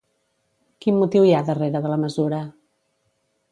Quin motiu hi ha darrere de la mesura?